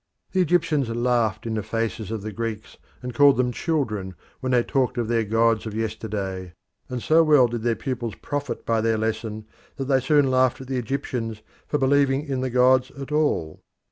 The Egyptians laughed in the faces of the Greeks, and called them children when they talked of their gods of yesterday, and so well did their pupils profit by their lesson that they soon laughed at the Egyptians for believing in the gods at all.